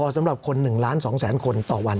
สำหรับกำลังการผลิตหน้ากากอนามัย